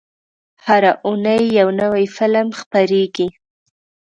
هره اونۍ یو نوی فلم خپرېږي.